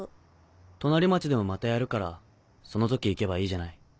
隣町でもまたやるからその時行けばいいじゃない。